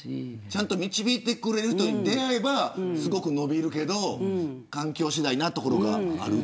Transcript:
ちゃんと導いてくれる人に出会えば、すごく伸びるけど環境次第なところがある。